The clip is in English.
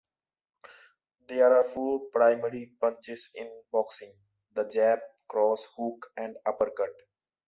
There are four primary punches in boxing: the jab, cross, hook, and uppercut.